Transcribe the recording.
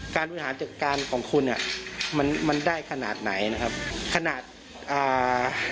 บริหารจัดการของคุณอ่ะมันมันได้ขนาดไหนนะครับขนาดอ่า